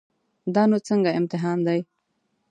دا نو څنګه امتحان دی.